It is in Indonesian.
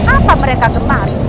apa mereka kemarin